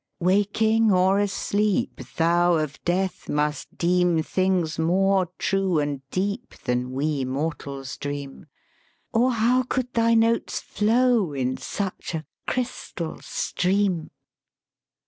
"Waking or asleep Thou of death must deem Things more true and deep Than we mortals dream, Or how could thy notes flow in such a crystal stream